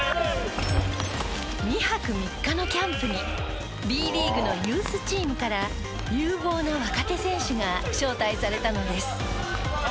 ２泊３日のキャンプにＢリーグのユースチームから有望な若手選手が招待されたのです。